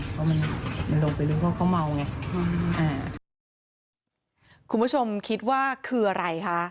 คุณผู้ชมคิดว่าคืออะไรคะ